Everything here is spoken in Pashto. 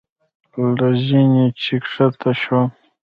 له زینې چې ښکته شوم.